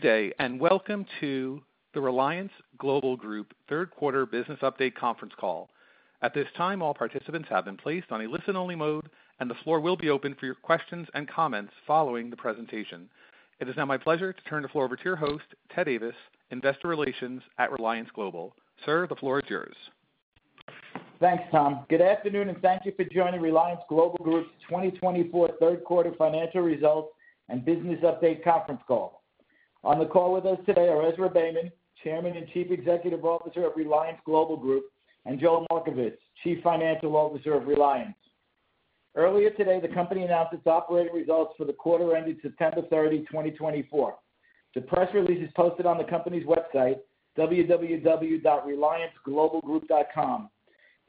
Good day, and welcome to the Reliance Global Group third quarter Business Update Conference Call. At this time, all participants have been placed on a listen-only mode, and the floor will be open for your questions and comments following the presentation. It is now my pleasure to turn the floor over to your host, Ted Davis, Investor Relations at Reliance Global. Sir, the floor is yours. Thanks, Tom. Good afternoon, and thank you for joining Reliance Global Group's 2024 third quarter financial results and business update conference call. On the call with us today are Ezra Beyman, Chairman and Chief Executive Officer of Reliance Global Group, and Joel Markovits, Chief Financial Officer of Reliance. Earlier today, the company announced its operating results for the quarter ending September 30th, 2024. The press release is posted on the company's website, www.relianceglobalgroup.com.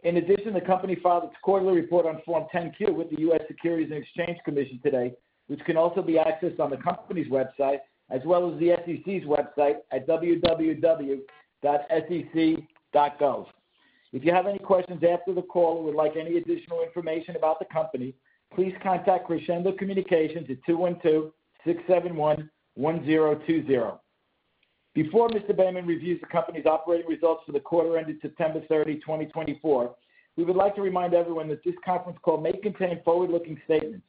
In addition, the company filed its quarterly report on Form 10-Q with the U.S. Securities and Exchange Commission today, which can also be accessed on the company's website as well as the SEC's website at www.sec.gov. If you have any questions after the call or would like any additional information about the company, please contact Crescendo Communications at 212-671-1020. Before Mr. Beyman reviews the company's operating results for the quarter ending September 30th, 2024. We would like to remind everyone that this conference call may contain forward-looking statements.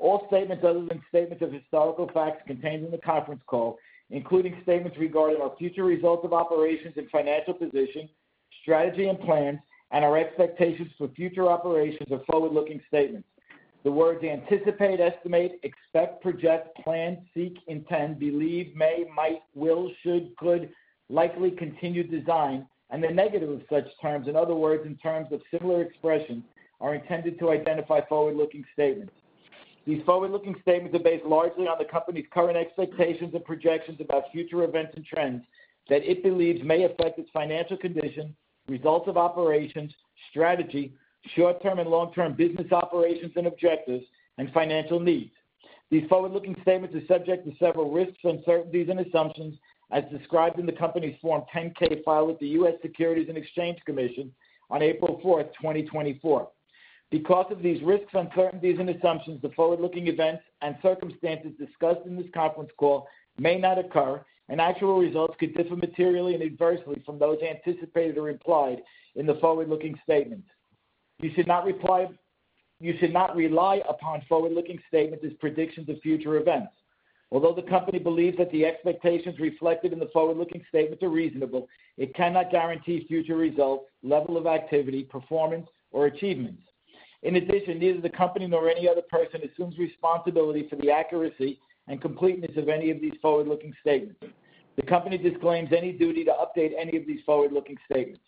All statements other than statements of historical facts contained in the conference call, including statements regarding our future results of operations and financial position, strategy and plans, and our expectations for future operations, are forward-looking statements. The words anticipate, estimate, expect, project, plan, seek, intend, believe, may, might, will, should, could, likely, continue design, and the negative of such terms, in other words, in terms of similar expressions, are intended to identify forward-looking statements. These forward-looking statements are based largely on the company's current expectations and projections about future events and trends that it believes may affect its financial condition, results of operations, strategy, short-term and long-term business operations and objectives, and financial needs. These forward-looking statements are subject to several risks, uncertainties, and assumptions, as described in the company's Form 10-K filed with the U.S. Securities and Exchange Commission on April 4, 2024. Because of these risks, uncertainties, and assumptions, the forward-looking events and circumstances discussed in this conference call may not occur, and actual results could differ materially and adversely from those anticipated or implied in the forward-looking statements. You should not rely upon forward-looking statements as predictions of future events. Although the company believes that the expectations reflected in the forward-looking statements are reasonable, it cannot guarantee future results, level of activity, performance, or achievements. In addition, neither the company nor any other person assumes responsibility for the accuracy and completeness of any of these forward-looking statements. The company disclaims any duty to update any of these forward-looking statements.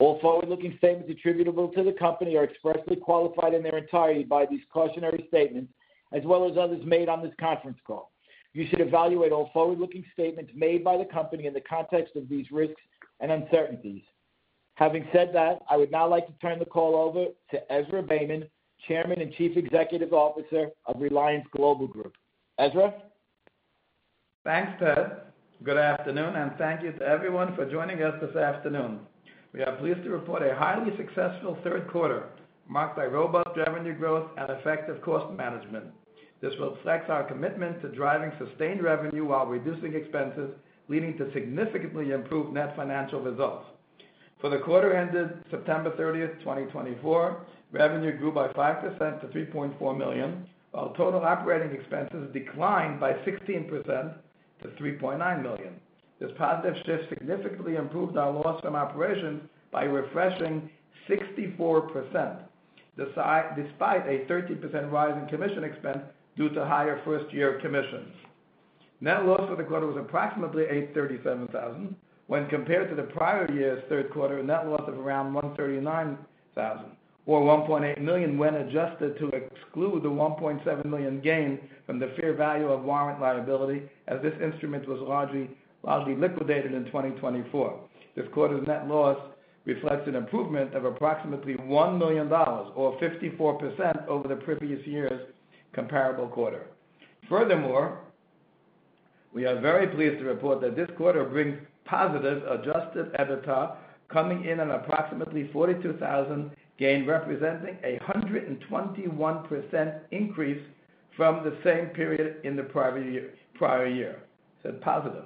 All forward-looking statements attributable to the company are expressly qualified in their entirety by these cautionary statements, as well as others made on this conference call. You should evaluate all forward-looking statements made by the company in the context of these risks and uncertainties. Having said that, I would now like to turn the call over to Ezra Beyman, Chairman and Chief Executive Officer of Reliance Global Group. Ezra? Thanks, Ted. Good afternoon, and thank you to everyone for joining us this afternoon. We are pleased to report a highly successful third quarter marked by robust revenue growth and effective cost management. This reflects our commitment to driving sustained revenue while reducing expenses, leading to significantly improved net financial results. For the quarter ended September 30th, 2024, revenue grew by 5% to $3.4 million, while total operating expenses declined by 16% to $3.9 million. This positive shift significantly improved our loss from operations by reducing 64%, despite a 30% rise in commission expense due to higher first-year commissions. Net loss for the quarter was approximately $837,000 when compared to the prior year's third quarter, a net loss of around $139,000, or $1.8 million when adjusted to exclude the $1.7 million gain from the fair value of warrant liability, as this instrument was largely liquidated in 2024. This quarter's net loss reflects an improvement of approximately $1 million, or 54% over the previous year's comparable quarter. Furthermore, we are very pleased to report that this quarter brings positive Adjusted EBITDA, coming in at approximately $42,000 gain, representing a 121% increase from the same period in the prior year. It's a positive.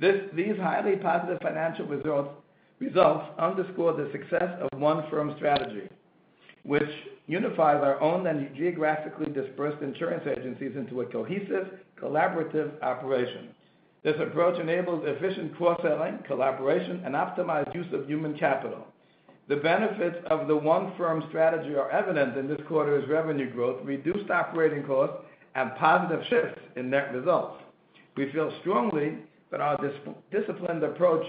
These highly positive financial results underscore the success of OneFirm strategy, which unifies our own and geographically dispersed insurance agencies into a cohesive, collaborative operation. This approach enables efficient cross-selling, collaboration, and optimized use of human capital. The benefits of the OneFirm strategy are evident in this quarter's revenue growth, reduced operating costs, and positive shifts in net results. We feel strongly that our disciplined approach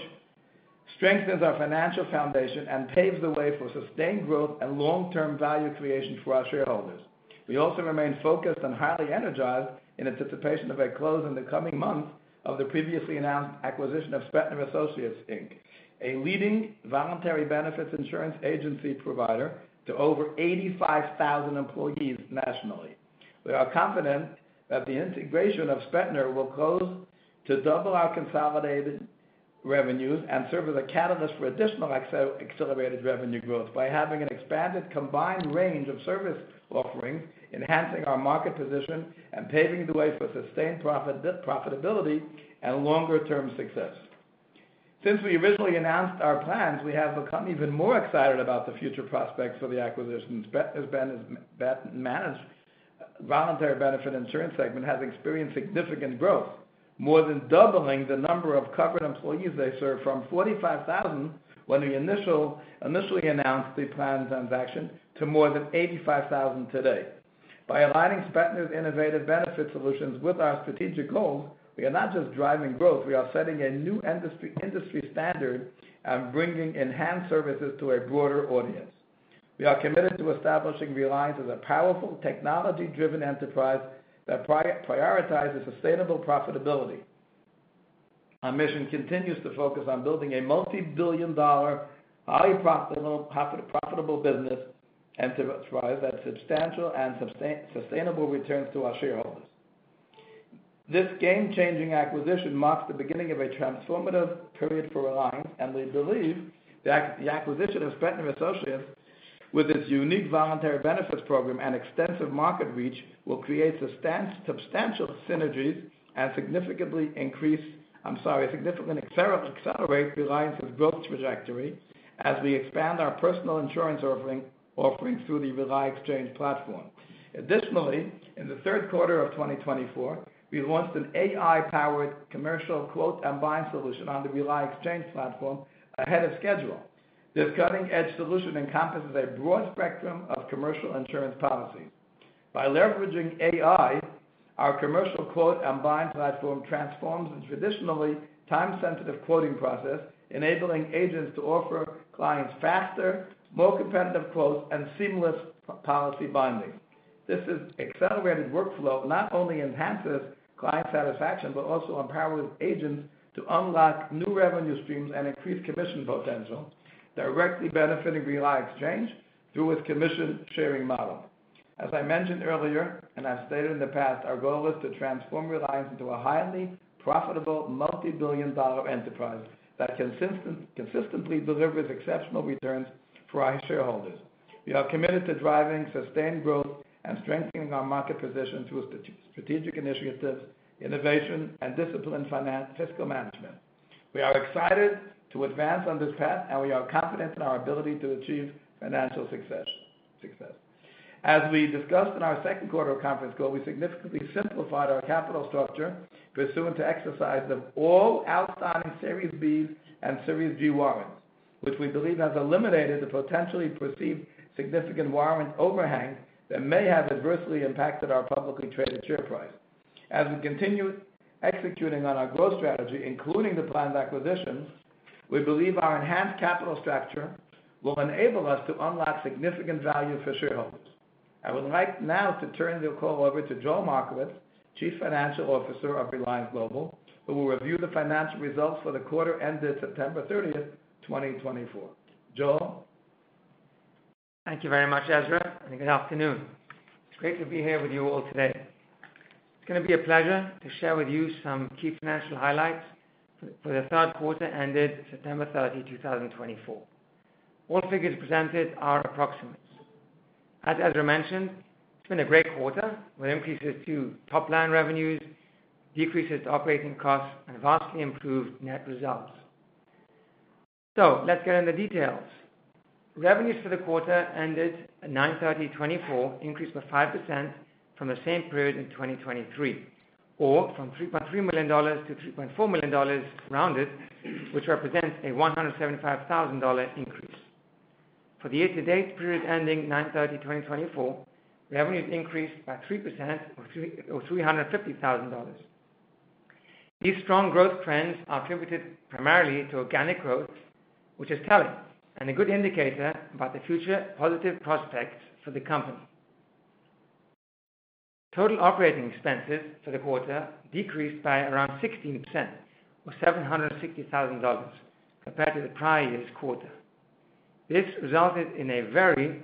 strengthens our financial foundation and paves the way for sustained growth and long-term value creation for our shareholders. We also remain focused and highly energized in anticipation of a close in the coming months of the previously announced acquisition of Spetner Associates Inc., a leading voluntary benefits insurance agency provider to over 85,000 employees nationally. We are confident that the integration of Spetner will close to double our consolidated revenues and serve as a catalyst for additional accelerated revenue growth by having an expanded combined range of service offerings, enhancing our market position and paving the way for sustained profitability and longer-term success. Since we originally announced our plans, we have become even more excited about the future prospects for the acquisition. Spetner's voluntary benefits insurance segment has experienced significant growth, more than doubling the number of covered employees they serve from 45,000 when we initially announced the planned transaction to more than 85,000 today. By aligning Spetner's innovative benefit solutions with our strategic goals, we are not just driving growth. We are setting a new industry standard and bringing enhanced services to a broader audience. We are committed to establishing Reliance as a powerful, technology-driven enterprise that prioritizes sustainable profitability. Our mission continues to focus on building a multi-billion dollar, highly profitable business enterprise that substantial and sustainable returns to our shareholders. This game-changing acquisition marks the beginning of a transformative period for Reliance, and we believe that the acquisition of Spetner Associates, with its unique voluntary benefits program and extensive market reach, will create substantial synergies and significantly increase, I'm sorry, significantly accelerate Reliance's growth trajectory as we expand our personal insurance offerings through the Reliance Exchange platform. Additionally, in the third quarter of 2024, we launched an AI-powered commercial quote and buying solution on the Reliance Exchange platform ahead of schedule. This cutting-edge solution encompasses a broad spectrum of commercial insurance policies. By leveraging AI, our commercial quote and buying platform transforms the traditionally time-sensitive quoting process, enabling agents to offer clients faster, more competitive quotes and seamless policy binding. This accelerated workflow not only enhances client satisfaction but also empowers agents to unlock new revenue streams and increase commission potential, directly benefiting Reliance Exchange through its commission-sharing model. As I mentioned earlier, and I've stated in the past, our goal is to transform Reliance into a highly profitable multi-billion dollar enterprise that consistently delivers exceptional returns for our shareholders. We are committed to driving sustained growth and strengthening our market position through strategic initiatives, innovation, and disciplined fiscal management. We are excited to advance on this path, and we are confident in our ability to achieve financial success. As we discussed in our second quarter conference call, we significantly simplified our capital structure, pursuant to exercise of all outstanding Series B and Series G warrants, which we believe has eliminated the potentially perceived significant warrant overhang that may have adversely impacted our publicly traded share price. As we continue executing on our growth strategy, including the planned acquisitions, we believe our enhanced capital structure will enable us to unlock significant value for shareholders. I would like now to turn the call over to Joel Markovits, Chief Financial Officer of Reliance Global, who will review the financial results for the quarter ended September 30th, 2024. Joel? Thank you very much, Ezra, and good afternoon. It's great to be here with you all today. It's going to be a pleasure to share with you some key financial highlights for the third quarter ended September 30th, 2024. All figures presented are approximate. As Ezra mentioned, it's been a great quarter with increases to top line revenues, decreases to operating costs, and vastly improved net results. So let's get into the details. Revenues for the quarter ended at September 30th, 2024 increased by 5% from the same period in 2023, or from $3.3 million-$3.4 million rounded, which represents a $175,000 increase. For the year-to-date period ending September 30th, 2024, revenues increased by 3% or $350,000. These strong growth trends are attributed primarily to organic growth, which is telling and a good indicator about the future positive prospects for the company. Total operating expenses for the quarter decreased by around 16% or $760,000 compared to the prior year's quarter. This resulted in a very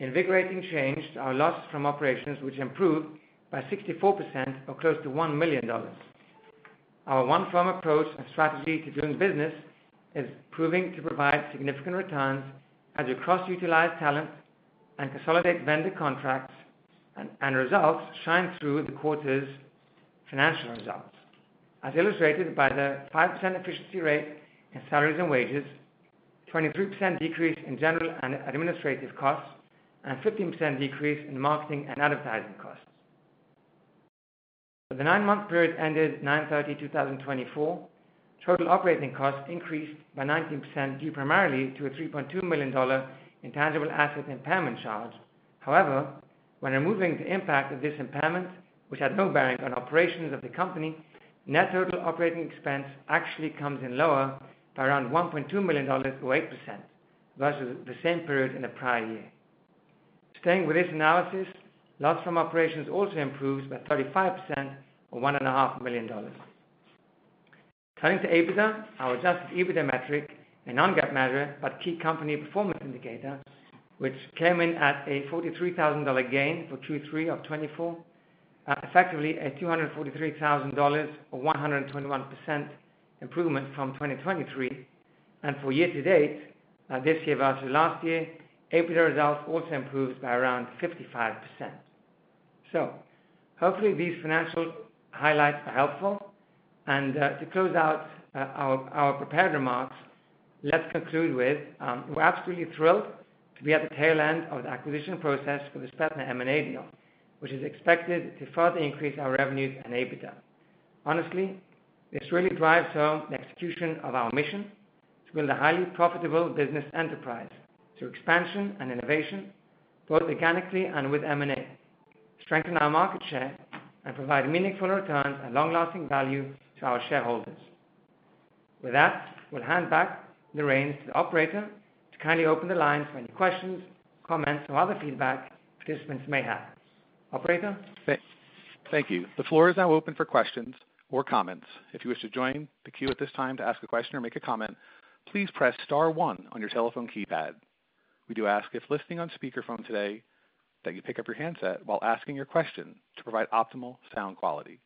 invigorating change to our loss from operations, which improved by 64% or close to $1 million. Our OneFirm approach and strategy to doing business is proving to provide significant returns as we cross-utilize talent and consolidate vendor contracts, and results shine through the quarter's financial results. As illustrated by the 5% efficiency rate in salaries and wages, 23% decrease in general and administrative costs, and 15% decrease in marketing and advertising costs. For the nine-month period ended September 30th, 2024, total operating costs increased by 19% due primarily to a $3.2 million intangible asset impairment charge. However, when removing the impact of this impairment, which had no bearing on operations of the company, net total operating expense actually comes in lower by around $1.2 million or 8% versus the same period in the prior year. Staying with this analysis, loss from operations also improves by 35% or $1.5 million. Turning to EBITDA, our adjusted EBITDA metric, a non-GAAP measure but key company performance indicator, which came in at a $43,000 gain for Q3 of 2024, effectively a $243,000 or 121% improvement from 2023. And for year-to-date, this year versus last year, EBITDA results also improved by around 55%. So hopefully these financial highlights are helpful. And to close out our prepared remarks, let's conclude with we're absolutely thrilled to be at the tail end of the acquisition process for the Spetner M&A deal, which is expected to further increase our revenues and EBITDA. Honestly, this really drives home the execution of our mission to build a highly profitable business enterprise through expansion and innovation, both mechanically and with M&A, strengthen our market share, and provide meaningful returns and long-lasting value to our shareholders. With that, we'll hand back the reins to the operator to kindly open the lines for any questions, comments, or other feedback participants may have. Operator? Thank you. The floor is now open for questions or comments. If you wish to join the queue at this time to ask a question or make a comment, please press Star one on your telephone keypad. We do ask if listening on speakerphone today, that you pick up your handset while asking your question to provide optimal sound quality.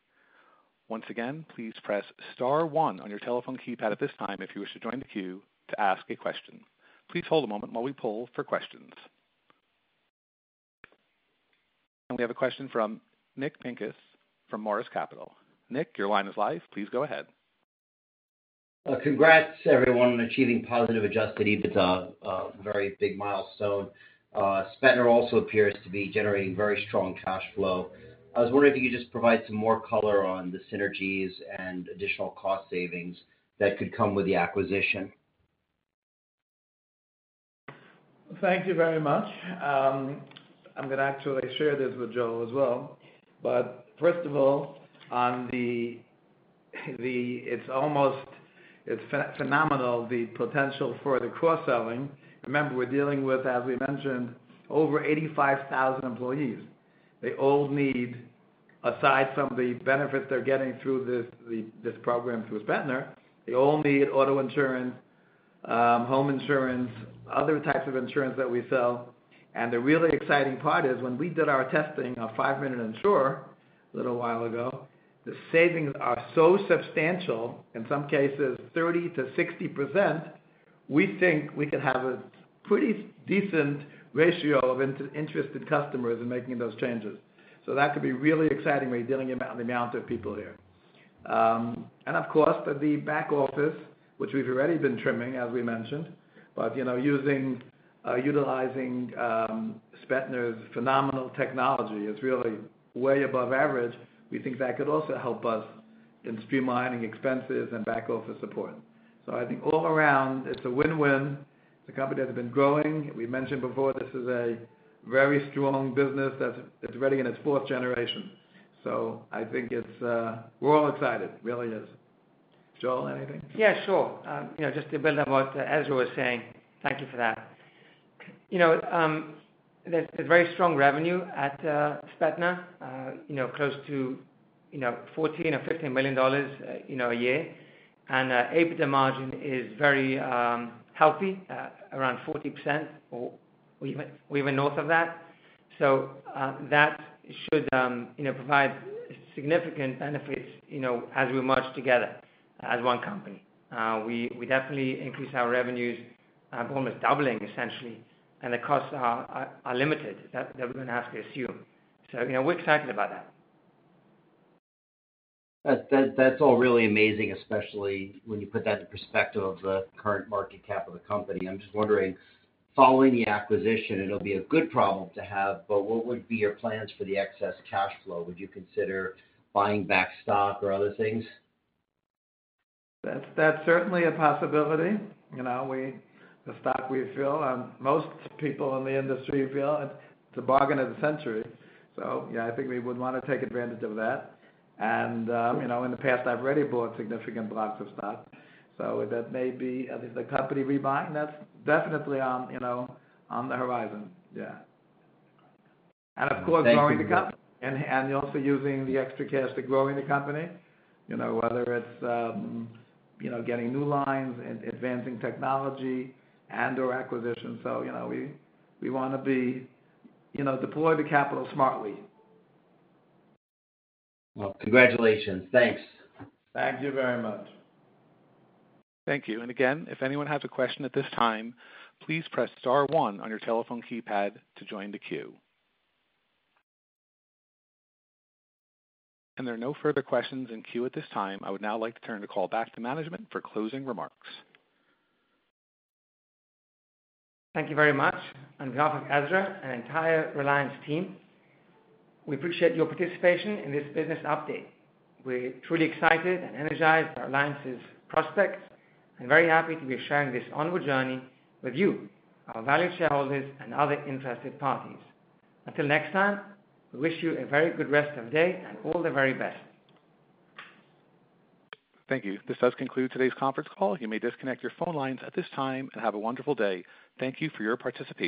Once again, please press Star one on your telephone keypad at this time if you wish to join the queue to ask a question. Please hold a moment while we pull for questions, and we have a question from Nick Pincus from Morris Capital. Nick, your line is live. Please go ahead. Congrats, everyone, on achieving positive Adjusted EBITDA. Very big milestone. Spetner also appears to be generating very strong cash flow. I was wondering if you could just provide some more color on the synergies and additional cost savings that could come with the acquisition. Thank you very much. I'm going to actually share this with Joel as well. But first of all, it's almost phenomenal, the potential for the cross-selling. Remember, we're dealing with, as we mentioned, over 85,000 employees. They all need, aside from the benefits they're getting through this program through Spetner, they all need auto insurance, home insurance, other types of insurance that we sell. And the really exciting part is when we did our testing of 5MinuteInsure a little while ago, the savings are so substantial, in some cases 30%-60%, we think we could have a pretty decent ratio of interested customers in making those changes. So that could be really exciting when you're dealing with the amount of people here. And of course, the back office, which we've already been trimming, as we mentioned, but utilizing Spetner's phenomenal technology is really way above average. We think that could also help us in streamlining expenses and back office support. So I think all around, it's a win-win. It's a company that's been growing. We mentioned before this is a very strong business that's already in its fourth generation. So I think we're all excited. It really is. Joel, anything? Yeah, sure. Just to build on what Ezra was saying, thank you for that. There's very strong revenue at Spetner, close to $14 or $15 million a year. And EBITDA margin is very healthy, around 40% or even north of that. So that should provide significant benefits as we merge together as one company. We definitely increased our revenues by almost doubling, essentially, and the costs are limited that we're going to have to assume. So we're excited about that. That's all really amazing, especially when you put that in perspective of the current market cap of the company. I'm just wondering, following the acquisition, it'll be a good problem to have, but what would be your plans for the excess cash flow? Would you consider buying back stock or other things? That's certainly a possibility. The stock we feel, most people in the industry feel it's a bargain of the century. So yeah, I think we would want to take advantage of that. And in the past, I've already bought significant blocks of stock. So that may be the company rebuying. That's definitely on the horizon. Yeah. And of course, growing the company and also using the extra cash to grow the company, whether it's getting new lines, advancing technology, and/or acquisitions. So we want to deploy the capital smartly. Congratulations. Thanks. Thank you very much. Thank you, and again, if anyone has a question at this time, please press Star one on your telephone keypad to join the queue, and there are no further questions in queue at this time. I would now like to turn the call back to management for closing remarks. Thank you very much. On behalf of Ezra and the entire Reliance team, we appreciate your participation in this business update. We're truly excited and energized by Reliance's prospects and very happy to be sharing this onward journey with you, our valued shareholders, and other interested parties. Until next time, we wish you a very good rest of the day and all the very best. Thank you. This does conclude today's conference call. You may disconnect your phone lines at this time and have a wonderful day. Thank you for your participation.